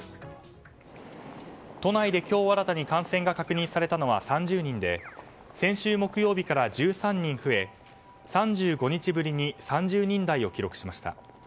都内で今日新たに感染が確認されたのは３０人で先週木曜日から１３人増え３５日ぶりに３０人台を記録しました。